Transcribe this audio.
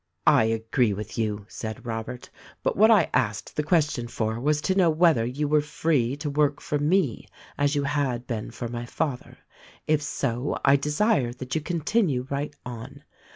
"I agree with you," said Robert ; "but what I asked the question for was to know whether you were free to work for me as you had been for my father. If so, I de sire that you continue right on.